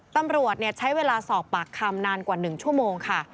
ตำรวจใช้เวลาสอบปากคำนานกว่า๑ชั่วโมงค่ะ